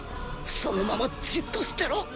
そのままじっとしてろ